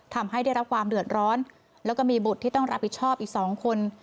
ทำให้ได้รับความเดือดร้อนแล้วก็มีบุตรที่ต้องรับผิดชอบอีกสองคน